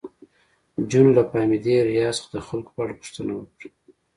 جون له فهمیدې ریاض څخه د خلکو په اړه پوښتنه وکړه